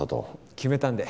決めたんで。